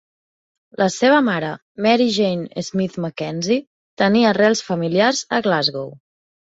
La seva mare Mary Jane Smith MacKenzie tenia arrels familiars a Glasgow.